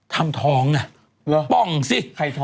ทำท้องป้องซิ